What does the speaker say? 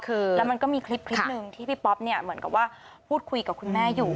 คือแล้วมันก็มีคลิปหนึ่งที่พี่ป๊อปเนี่ยเหมือนกับว่าพูดคุยกับคุณแม่อยู่